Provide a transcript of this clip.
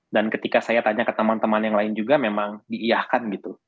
dan ketika saya tanya ke teman teman yang lain juga memang diiyahkan gitu